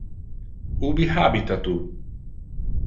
Ubi habita tu?